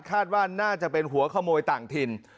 คาดว่าน่าจะเป็นหัวขโมยต่างถิ่น